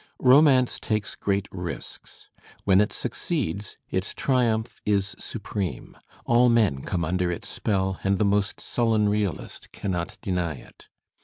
Romance takes great risks. When it succeeds, its \ triumph is supreme; all men come under its spell and the most \ sullen realist cannot deny it.